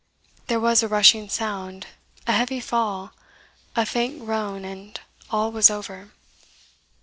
There was a rushing sound a heavy fall a faint groan and all was over.